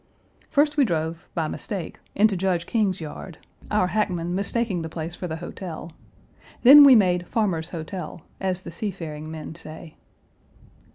First we drove, by mistake, into Judge King's yard, our Page 212 hackman mistaking the place for the hotel. Then we made Farmer's Hotel (as the seafaring men say).